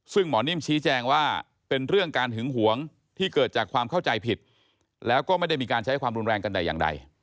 ซึ่งหมอนิ่มชี้แจงว่าเป็นเรื่องการหึงหวงที่เกิดจากความเข้าใจผิดแล้วก็ไม่ได้มีการใช้ความรุนแรงกันแต่อย่างใด